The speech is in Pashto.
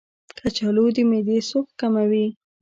کچالو د معدې سوخت کموي.